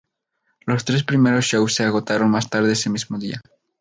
Los tres primeros shows se agotaron más tarde ese mismo día.